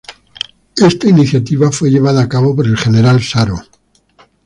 Esta iniciativa fue llevada a cabo por el General Saro.